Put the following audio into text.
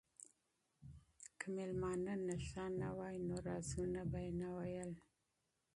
که مېلمانه نشه نه وای نو رازونه به یې نه ویل.